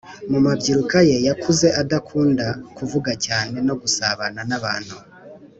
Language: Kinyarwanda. Mu mabyiruka ye yakuze adakunda kuvuga cyane no gusabana nabantu